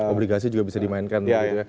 obligasi juga bisa dimainkan